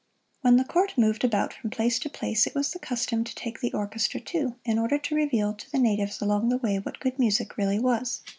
When the Court moved about from place to place it was the custom to take the orchestra, too, in order to reveal to the natives along the way what good music really was.